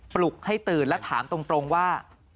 ปลุกให้ตื่นและถามตรงว่า